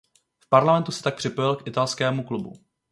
V parlamentu se pak připojil k Italskému klubu.